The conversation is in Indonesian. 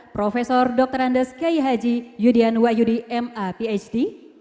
profesor dokter andes k y haji yudyan wayudi m a phd